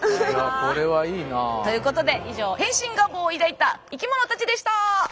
これはいいなあ。ということで以上変身願望を抱いた生きものたちでした！